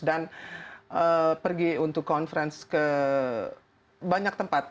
dan pergi untuk conference ke banyak tempat